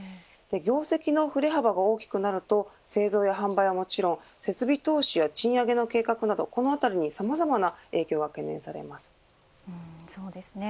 業績の振れ幅が大きくなると製造や販売やもちろん設備投資や賃上げなどの計画などこのあたりにさまざまな影響が懸念されます。